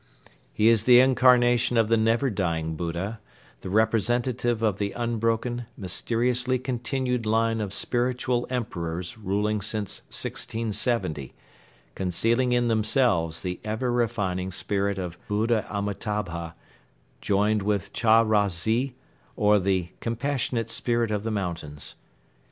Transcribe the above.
He is the incarnation of the never dying Buddha, the representative of the unbroken, mysteriously continued line of spiritual emperors ruling since 1670, concealing in themselves the ever refining spirit of Buddha Amitabha joined with Chan ra zi or the "Compassionate Spirit of the Mountains."